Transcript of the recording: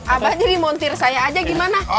abah jadi montir saya aja gimana